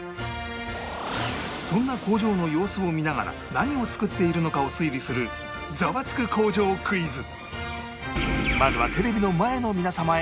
そんな工場の様子を見ながら何を作っているのかを推理するまずはテレビの前の皆様へ